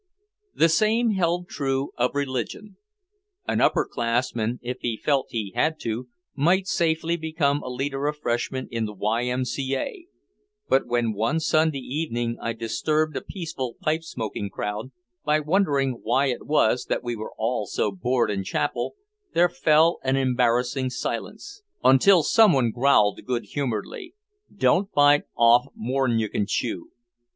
The same held true of religion. An upper classman, if he felt he had to, might safely become a leader of freshmen in the Y. M. C. A. But when one Sunday evening I disturbed a peaceful pipe smoking crowd by wondering why it was that we were all so bored in chapel, there fell an embarrassing silence until someone growled good humoredly, "Don't bite off more'n you can chew."